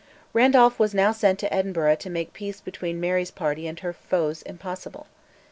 Randolph was now sent to Edinburgh to make peace between Mary's party and her foes impossible.